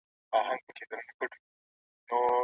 تحقیقي ادب د عقل او منطق لاره ده.